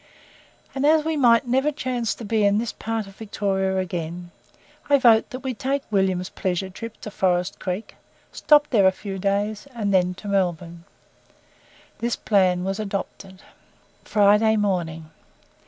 And as we may never chance to be in this part of Victoria again, I vote that we take William's 'pleasure trip' to Forest Creek, stop there a few days, and then to Melbourne." This plan was adopted. FRIDAY MORNING.